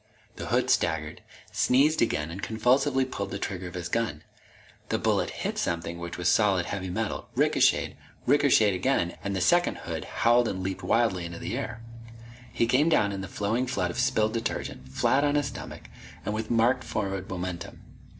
The hood staggered, sneezed again, and convulsively pulled the trigger of his gun. The bullet hit something which was solid heavy metal, ricocheted, ricocheted again and the second hood howled and leaped wildly into the air. He came down in the flowing flood of spilled detergent, flat on his stomach, and with marked forward momentum.